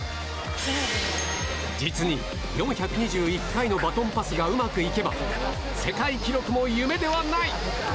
実に４２１回のバトンパスがうまくいけば、世界記録も夢ではない。